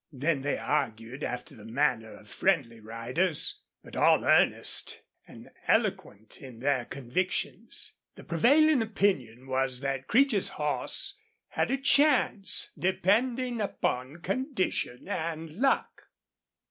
Then they argued, after the manner of friendly riders, but all earnest, an eloquent in their convictions. The prevailing opinion was that Creech's horse had a chance, depending upon condition and luck.